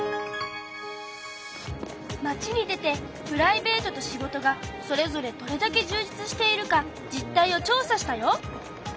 街に出てプライベートと仕事がそれぞれどれだけ充実しているか実態を調査したよ。